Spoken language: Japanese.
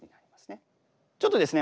ちょっとですね